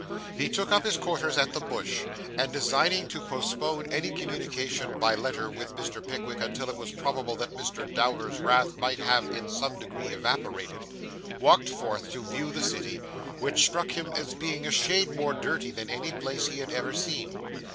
He took up his quarters at the Bush, and designing to postpone any communication by letter with Mr. Pickwick until it was probable that Mr. Dowler's wrath might have in some degree evaporated, walked forth to view the city, which struck him as being a shade more dirty than any place he had ever seen.